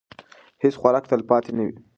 هیڅ خوراک تلپاتې نه وي.